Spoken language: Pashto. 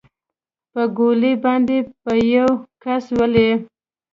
په ګولۍ باندې به يو كس ولې.